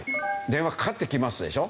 電話がかかってきますでしょ。